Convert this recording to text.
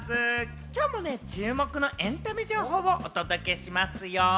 今日も注目のエンタメ情報をお届けしますよ。